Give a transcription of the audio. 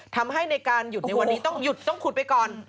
ทำให้ในการหยุดในวันนี้ต้องหยุดต้องขุดไปก่อน